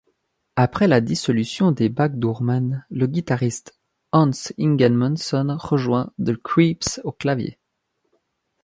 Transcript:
Après la dissolution des Backdoormen, le guitariste Hans Ingemansson rejoint The Creeps au clavier.